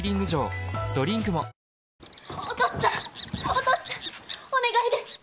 お父っつぁんお願いです！